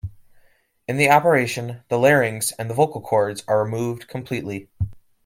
In the operation, the larynx and the vocal cords are removed completely.